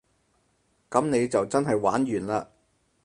噉你就真係玩完嘞